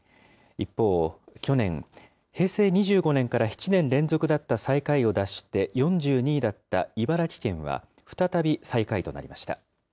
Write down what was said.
一方、去年、平成２５年から７年連続だった最下位を脱して４２位だった茨城県は再び、最下位となりました。